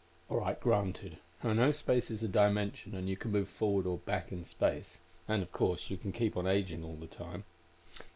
"All right, granted. I know space is a dimension and you can move forward or back in space. And, of course, you keep on aging all the time."